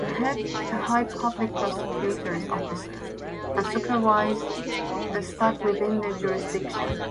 The head the High Public Prosecutors Offices and supervise the staff within the jurisdiction.